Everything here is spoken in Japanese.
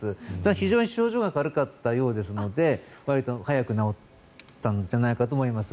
非常に症状が軽かったようですのでわりと早く治ったんじゃないかと思います。